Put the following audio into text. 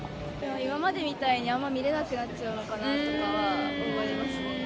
今までみたいに、あんま見れなくなっちゃうのかなとかは思いますね。